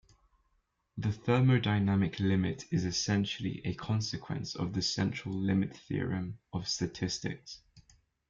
The thermodynamic limit is essentially a consequence of the central limit theorem of statistics.